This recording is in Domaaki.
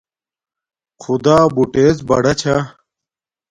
خدݳ بُٹݵڎ بڑݳ چھݳ.